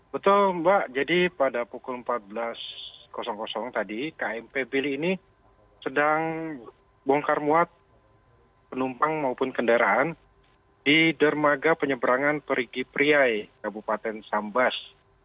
betul mbak jadi pada pukul empat belas tadi kmp bili ini sedang bongkar muat penumpang maupun kendaraan di dermaga penyeberangan perigi priai kabupaten sambas